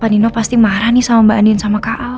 pak nino pasti marah nih sama mbak andin sama kak al